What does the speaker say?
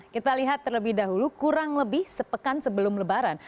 kita lihat terlebih dahulu kurang lebih sepekan sebelum lebaran